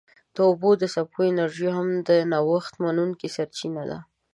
د اوبو د څپو انرژي هم نوښت منونکې سرچینه ده.